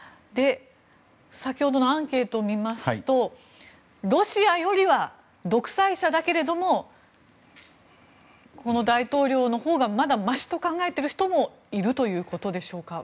先ほどのアンケートを見ますとロシアよりは独裁者だけれどもこの大統領のほうがまだましと考えていると人もいるということでしょうか。